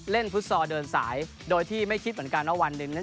ฟุตซอลเดินสายโดยที่ไม่คิดเหมือนกันว่าวันหนึ่งนั้น